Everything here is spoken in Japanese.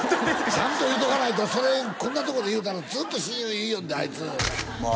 ちゃんと言うとかないとそれこんなとこで言うたらずっと「親友」言いよんであいつまあ